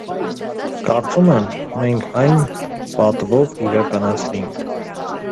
Կարծում եմ՝ մենք այն պատվով իրականացրինք: